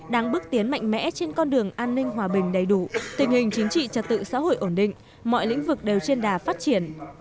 đang bước tiến mạnh mẽ trên con đường an ninh hòa bình đầy đủ tình hình chính trị trật tự xã hội ổn định mọi lĩnh vực đều trên đà phát triển